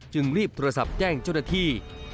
รีบโทรศัพท์แจ้งเจ้าหน้าที่